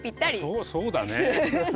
そうそうだね。